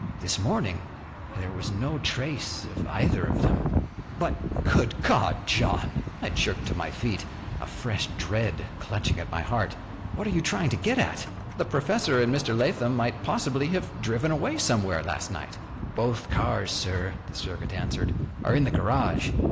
This morning there was no trace of either of them." "But good God, John!" I jerked to my feet, a fresh dread clutching at my heart. "What are you trying to get at? The professor and Mr. Lathom might possibly have driven away somewhere last night." "Both cars, sir," the servant answered, "are in the garage.